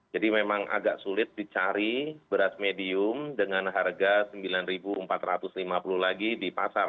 jadi memang agak sulit dicari beras medium dengan harga rp sembilan empat ratus lima puluh lagi di pasar